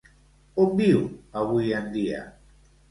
On viu avui en dia?